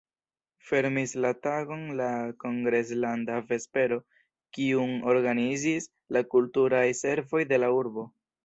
Fermis la tagon la kongreslanda vespero, kiun organizis la Kulturaj Servoj de la urbo.